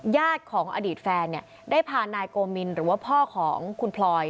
ญาติของอดีตแฟนเนี่ยได้พานายโกมินหรือว่าพ่อของคุณพลอย